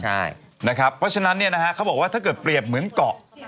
เพราะฉะนั้นเขาบอกว่าถ้าเกิดเปรียบเหมือนเกาะ